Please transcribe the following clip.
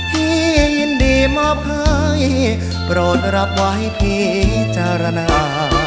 ยินดีมอบให้โปรดรับไว้พิจารณา